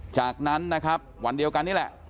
จากนั้นนะครับวันเดียวกันนี่แหละ